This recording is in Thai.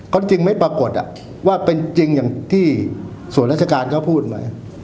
ก็จริงไม่ปรากฏว่าเป็นจริงอย่างที่ส่วนราชการเขาพูดไหม